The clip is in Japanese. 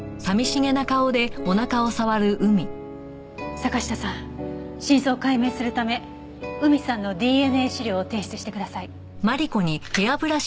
坂下さん真相を解明するため海さんのＤＮＡ試料を提出してください。